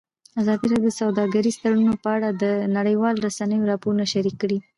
ازادي راډیو د سوداګریز تړونونه په اړه د نړیوالو رسنیو راپورونه شریک کړي.